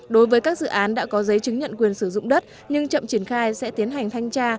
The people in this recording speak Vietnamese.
đối với các dự án đã có giấy chứng nhận quyền sử dụng đất nhưng chậm triển khai sẽ tiến hành thanh tra